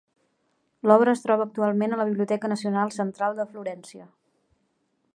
L'obra es troba actualment a la Biblioteca Nacional Central de Florència.